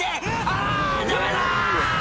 「あぁダメだ！」